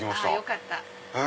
よかった！